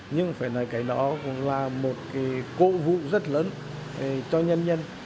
nhưng phải nói cái đó cũng là một cố vụ rất lớn cho nhân dân